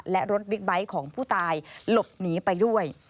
และรถบิ๊กไบท์ของผู้ตายหลบหนีไปด้วย